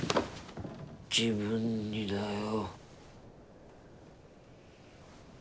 自分にだよ。